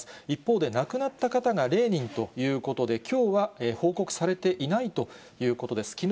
一方で亡くなった方が０人ということで、きょうは報告されていないということです。